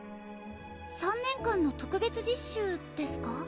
３年間の特別実習ですか？